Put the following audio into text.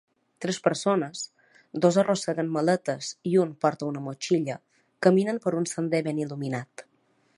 Tres persones, dos arrosseguen maletes i una porta una motxilla, caminen per un sender ben il·luminat